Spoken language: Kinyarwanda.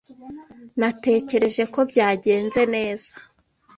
Natekereje ko byagenze neza.